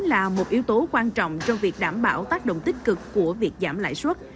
là một yếu tố quan trọng trong việc đảm bảo tác động tích cực của việc giảm lãi suất